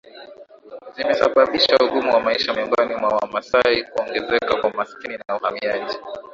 zimesababisha ugumu wa maisha miongoni mwa Wamasai kuongezeka kwa umaskini na uhamiaji